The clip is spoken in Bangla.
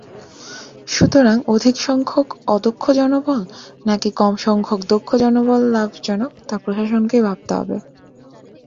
সুতরাং অধিকসংখ্যক অদক্ষ জনবল নাকি কমসংখ্যক দক্ষ জনবল লাভজনক—তা প্রশাসনকেই ভাবতে হবে।